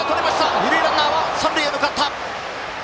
二塁ランナーは三塁へ向かった。